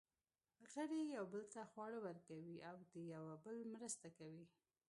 غړي یوه بل ته خواړه ورکوي او د یوه بل مرسته کوي.